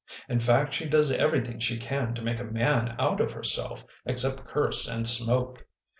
In fact she does every thing she can to make a man out of herself, except curse and smoke.